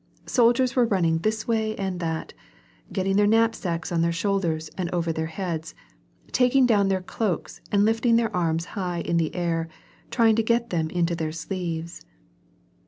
Soldiers were running this way and that, getting their knapsacks on their shoulders and over their heads, taking down their cloaks and lifting their arms high in the air, trying to get them into their sleeves.